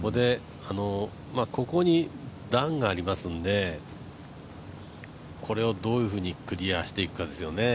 ここに段がありますので、これをどういうふうにクリアしていくかですよね。